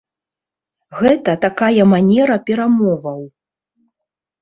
Гэта такая манера перамоваў.